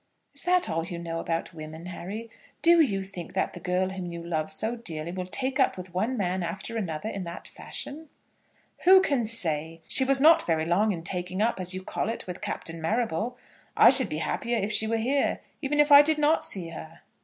"Is that all you know about women, Harry? Do you think that the girl whom you love so dearly will take up with one man after another in that fashion?" "Who can say? She was not very long in taking up, as you call it, with Captain Marrable. I should be happier if she were here, even if I did not see her."